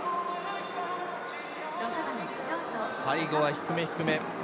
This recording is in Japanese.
最後は低め低め。